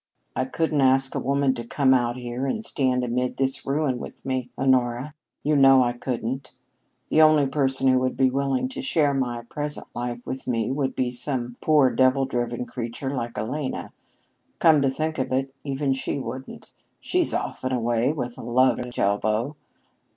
"I couldn't ask a woman to come out here and stand amid this ruin with me, Honora. You know I couldn't. The only person who would be willing to share my present life with me would be some poor, devil driven creature like Elena come to think of it, even she wouldn't! She's off and away with a lover at each elbow!"